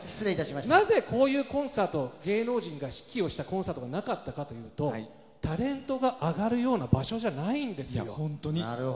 なぜこういう芸能人が指揮をしたコンサートがなかったかというとタレントが上がるような場所じゃないんですよ。